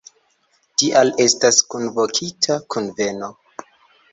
Tial estas kunvokita kunveno.